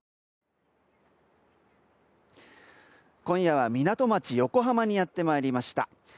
今夜は港町横浜にやってまいりました。